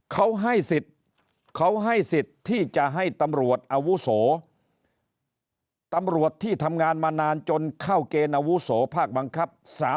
เขาให้สิทธิ์เขาให้สิทธิ์ที่จะให้ตำรวจอาวุโสตำรวจที่ทำงานมานานจนเข้าเกณฑ์อาวุโสภาคบังคับ